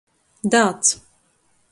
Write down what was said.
Dāds.